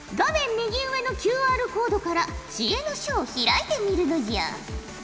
右上のＱＲコードから知恵の書を開いてみるのじゃ。